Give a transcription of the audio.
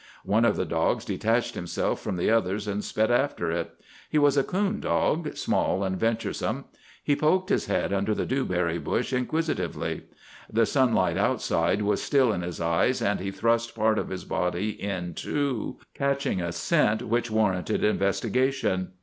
One of the dogs detached himself from the others and sped after it. He was a coon dog, small and venturesome. He poked his head under the dewberry bush inquisitively. The sunlight outside was still in his eyes, and he thrust part of his body in, too, catching a scent which warranted investigation.